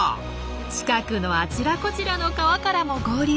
近くのあちらこちらの川からも合流。